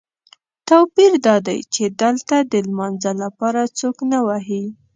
توپیر دادی چې دلته د لمانځه لپاره څوک نه وهي.